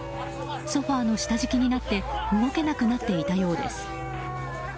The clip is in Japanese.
ソファの下敷きになって動けなくなっていたようです。